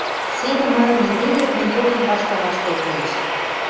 Седӹ марын эдемет мӹнь докем ваштыл-ваштыл толеш.